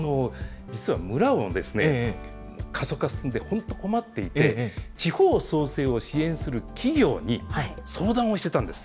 実は、村は過疎化進んで、本当に困っていて、地方創生を支援する企業に相談をしてたんです。